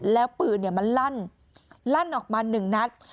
แล้วปืนมันลั่นลั่นออกมาหนึ่งนัด